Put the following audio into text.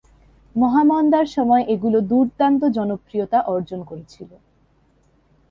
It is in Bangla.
মহামন্দার সময়ে এগুলো দুর্দান্ত জনপ্রিয়তা অর্জন করেছিল।